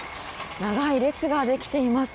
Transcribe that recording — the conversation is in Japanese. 長い列ができています。